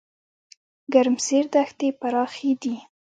ګرمسیر دښتې پراخې دي؟